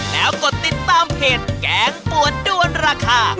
แล้วกดติดตามเพจแกงปวดด้วนราคา